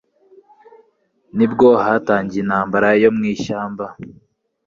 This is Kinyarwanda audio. ni bwo hatangiye intambara yo mu ishyamba,